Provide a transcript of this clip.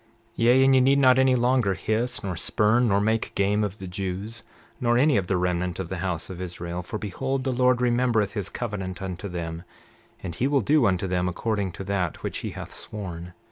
29:8 Yea, and ye need not any longer hiss, nor spurn, nor make game of the Jews, nor any of the remnant of the house of Israel; for behold, the Lord remembereth his covenant unto them, and he will do unto them according to that which he hath sworn.